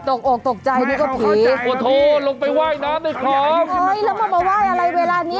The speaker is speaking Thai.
ตกอกตกใจนี่ก็ผีโอ้โธลงไปไหว้น้ำไปขอบเอ้ยแล้วมามาไหว้อะไรเวลานี้